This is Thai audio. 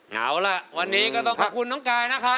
เอาล่ะวันนี้ก็ต้องขอบคุณน้องกายนะคะ